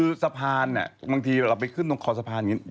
คือสะพานเนี่ยบางทีเวลาไปขึ้นตรงคอสะพาน